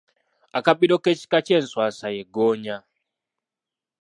Akabbiro k’ekika ky’enswaswa ye ggoonya.